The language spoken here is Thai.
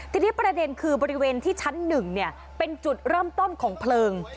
ทีนี้ประเด็นคือบริเวณที่ชั้น๑เป็นจุดเริ่มต้นของเพลิง